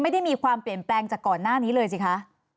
ไม่ได้มีความเปลี่ยนแปลงจากก่อนหน้านี้เลยสิคะ